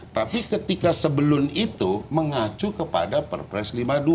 tapi ketika sebelum itu mengacu kepada perpres lima puluh dua